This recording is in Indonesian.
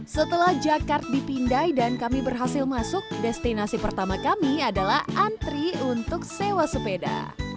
setelah jakart dipindai dan kami berhasil masuk destinasi pertama kami adalah antri untuk sewa sepeda